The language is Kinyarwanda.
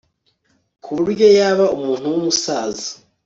ku buryo yaba umuntu wumusaza